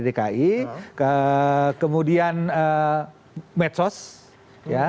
dki kemudian medsos ya